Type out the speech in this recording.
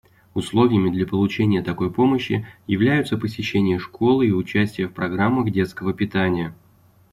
Условиями для получения такой помощи являются посещение школы и участие в программах детского питания.